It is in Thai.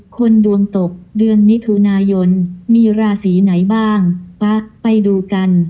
ดวงตกเดือนมิถุนายนมีราศีไหนบ้างป๊ะไปดูกัน